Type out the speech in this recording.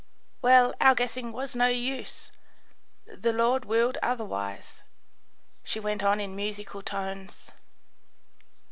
Well, our guessing was no use. The Lord willed otherwise," she went on in musical tones.